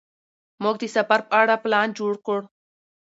موږ د سفر په اړه پلان جوړ کړ.